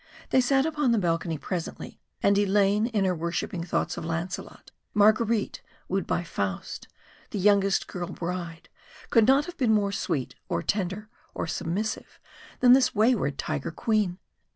They sat upon the balcony presently, and Elaine in her worshipping thoughts of Lancelot Marguerite wooed by Faust the youngest girl bride could not have been more sweet or tender or submissive than this wayward Tiger Queen.